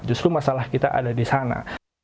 justru masalah kita ada di sana